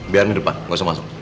biarin di depan gak usah masuk